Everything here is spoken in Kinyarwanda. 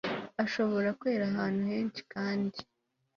ashobora kwera ahantu henshi kandi